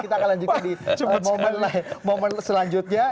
kita akan lanjutkan di momen selanjutnya